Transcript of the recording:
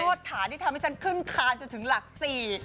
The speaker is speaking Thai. วดฐานที่ทำให้ฉันขึ้นคานจนถึงหลักสี่